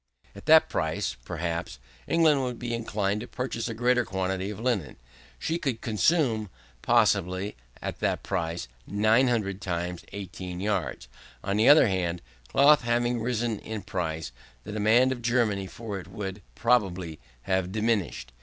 At that price, perhaps, England would be inclined to purchase a greater quantity of linen. She could consume, possibly, at that price, 900 times 18 yards. On the other hand, cloth having risen in price, the demand of Germany for it would, probably, have diminished.